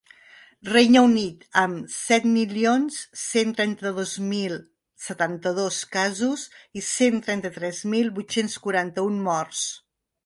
Regne Unit, amb set milions cent trenta-dos mil setanta-dos casos i cent trenta-tres mil vuit-cents quaranta-un morts.